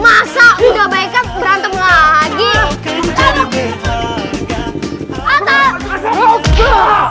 masa udah baik kan berantem lagi